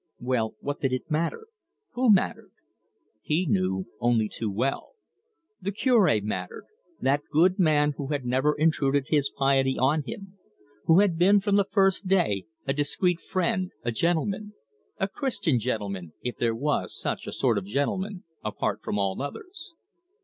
Well, what did it matter! Who mattered? He knew only too well. The Cure mattered that good man who had never intruded his piety on him; who had been from the first a discreet friend, a gentleman, a Christian gentleman, if there was such a sort of gentleman apart from all others.